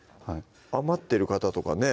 余ってる方とかね